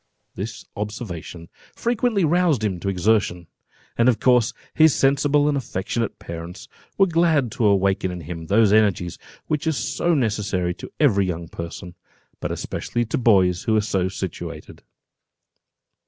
This observation frequently roused him to exertion; and of course his sensible and affectionate parents were glad to awaken in him those energies which are so necessary to every young person, but especially to boys who are so situated.